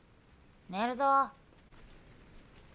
寝るぞ。